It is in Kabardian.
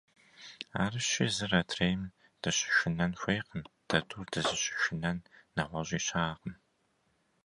Арыщи зыр адрейм дыщышынэн хуейкъым, дэ тӀур дызыщышынэн нэгъуэщӀи щыӀэкъым.